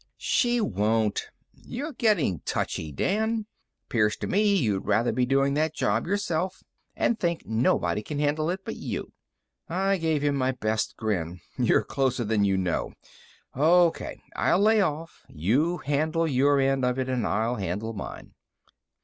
"She won't. You're getting touchy, Dan; 'pears to me you'd rather be doing that job yourself, and think nobody can handle it but you." I gave him my best grin. "You are closer than you know. O.K., I'll lay off. You handle your end of it and I'll handle mine."